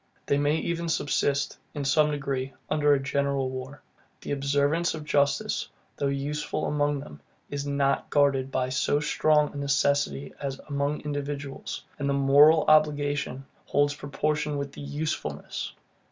They may even subsist, in some degree, under a general war. The observance of justice, though useful among them, is not guarded by so strong a necessity as among individuals; and the moral obligation holds proportion with the USEFULNESS.